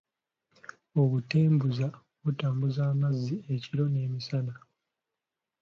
Obuteebuuza butambuza amazzi ekiro n’emisana.